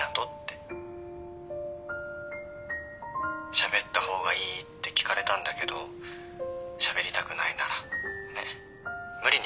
しゃべった方がいい？って聞かれたんだけどしゃべりたくないならねっ無理にしゃべることないし。